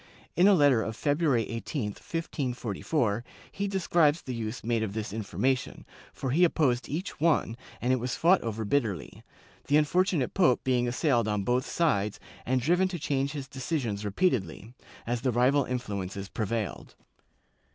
In a letter of February 18, 1544, he describes the use made of this information, for he opposed each one, and it was fought over bitterly, the unfortunate pope being assailed on both sides and driven to change his decisions repeatedly, as the rival influences prevailed.